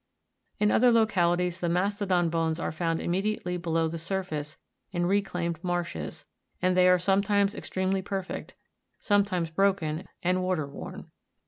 In other localities the ma'stodon bones are found immediately below the surface in reclaimed marshes, and they are sometimes extremely perfect, sometimes broken and water worn.